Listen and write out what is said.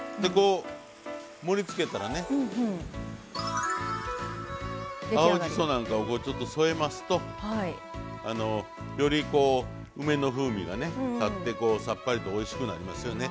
盛りつけたらね青じそなんかをちょっと添えますとより梅の風味がたってさっぱりとおいしくなりますよね。